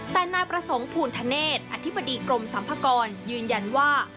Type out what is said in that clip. แต่นายประสงค์ภูณธเนศอธิบดีกรมสัมภากรยืนยันว่า